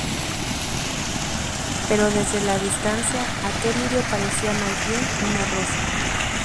Pero desde la distancia, aquel lirio parecía más bien una rosa.